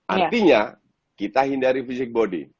artinya kita hindari fisik body